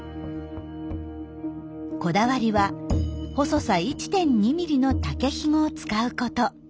こだわりは細さ１．２ｍｍの竹ひごを使うこと。